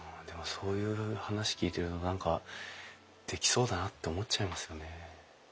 でもそういう話聞いていると何かできそうだなって思っちゃいますよね。